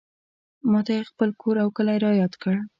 ماته یې خپل کور او کلی رایاد کړ.